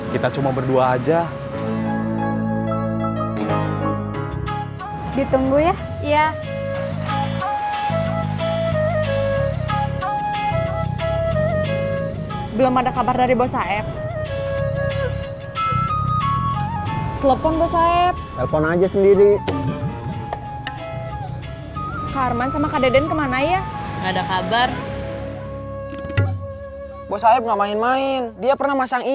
kita cuma berdua aja